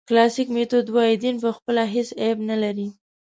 کلاسیک میتود وایي دین پخپله هېڅ عیب نه لري.